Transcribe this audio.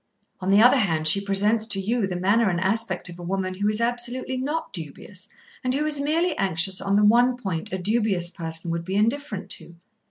On the other hand, she presents to you the manner and aspect of a woman who is absolutely not dubious, and who is merely anxious on the one point a dubious person would be indifferent to.